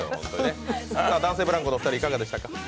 男性ブランコのお二人、いかがでしたか？